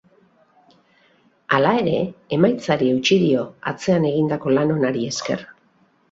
Hala ere, emaitzari eutsi dio, atzean egindako lan onari esker.